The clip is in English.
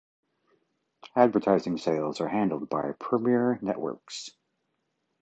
Advertising sales are handled by Premiere Networks.